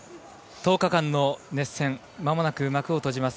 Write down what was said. １０日間の熱戦まもなく幕を閉じます。